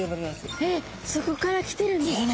えっそこから来てるんですか。